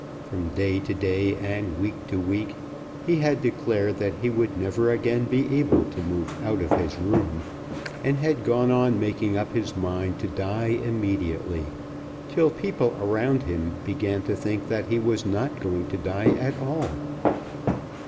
From day to day and week to week he had declared that he would never again be able to move out of his room; and had gone on making up his mind to die immediately, till people around him began to think that he was not going to die at all.